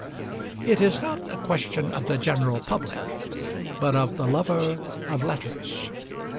It is not a question of the general public, but of the lover of letters.